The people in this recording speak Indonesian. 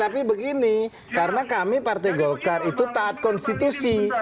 tapi begini karena kami partai golkar itu taat konstitusi